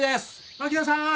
槙野さん